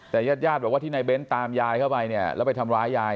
แต่ญาติญาติบอกว่าที่นายเบ้นตามยายเข้าไปเนี่ยแล้วไปทำร้ายยาย